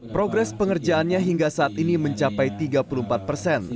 progres pengerjaannya hingga saat ini mencapai tiga puluh empat persen